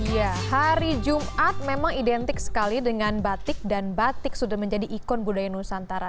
ya hari jumat memang identik sekali dengan batik dan batik sudah menjadi ikon budaya nusantara